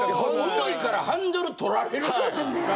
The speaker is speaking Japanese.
重いからハンドル取られるよな。